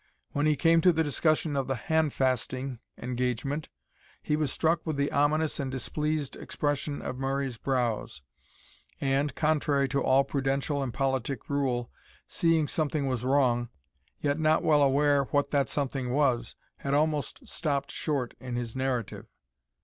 When he came to the discussion of the handfasting engagement, he was struck with the ominous and displeased expression of Murray's brows, and, contrary to all prudential and politic rule, seeing something was wrong, yet not well aware what that something was, had almost stopped short in his narrative.